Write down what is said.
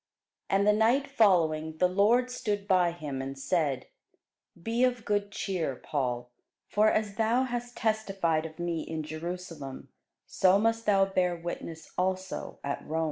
And the night following the Lord stood by him, and said, Be of good cheer, Paul: for as thou hast testified of me in Jerusalem, so must thou bear witness also at Rome.